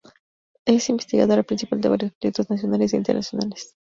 Es investigadora principal de varios proyectos nacionales e internacionales.